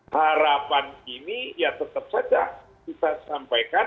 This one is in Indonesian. harapan ini ya tetap saja kita sampaikan